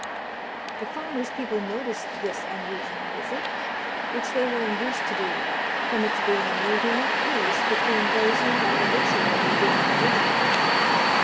The farmer's people noticed this unusual visit, which they were induced to do from its being a meeting of peace between those who had habitually been belligerents.